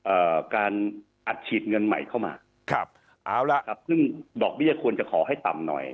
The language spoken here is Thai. เอ่อการอัดฉีดเงินใหม่เข้ามาครับเอาละครับซึ่งดอกเบี้ยควรจะขอให้ต่ำหน่อย